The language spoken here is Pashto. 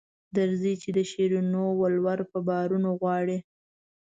درځئ چې د شیرینو ولور په بارونو غواړي.